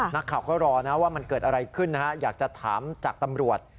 นักข่าวก็รอนะว่ามันเกิดอะไรขึ้นนะฮะอยากจะถามจากตำรวจ